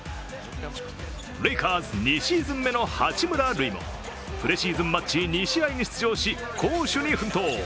レイカーズ２シーズ目の八村塁もプレシーズンマッチ２試合に出場し、攻守に奮闘。